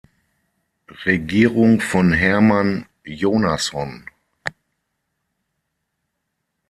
Regierung von Hermann Jónasson.